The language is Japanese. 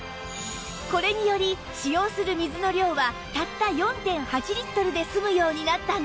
これにより使用する水の量はたった ４．８ リットルで済むようになったんです